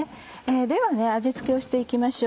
では味付けをしていきましょう。